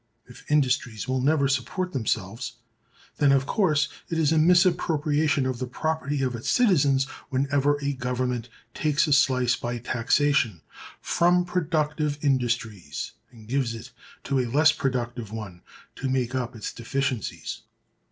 If industries will never support themselves, then, of course, it is a misappropriation of the property of its citizens whenever a government takes a slice by taxation from productive industries and gives it to a less productive one to make up its deficiencies.